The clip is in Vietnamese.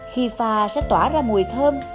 khi pha sẽ tỏa ra mùi thơm